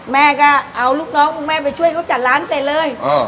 แม่ก็เอาลูกน้องคุณแม่ไปช่วยเขาจัดร้านเสร็จเลย